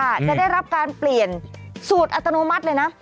จะได้รับการเปลี่ยนสูตรอัตโนมัติเลยนะ